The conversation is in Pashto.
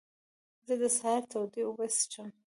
زه د سهار تودې اوبه څښم.